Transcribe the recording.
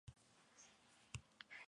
Las investigaciones continúan.